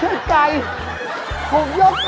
อ้าวสิบน้อง